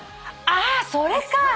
ああそれか！